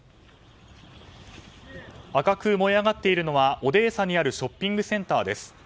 赤く燃え上がっているのはオデーサにあるショッピングセンターです。